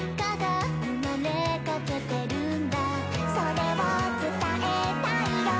「それを伝えたいよ」